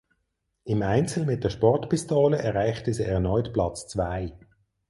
Im Einzel mit der Sportpistole erreichte sie erneut Platz zwei.